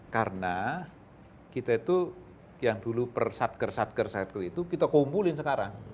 karena kita itu yang dulu persatker satker satker itu kita kumpulin sekarang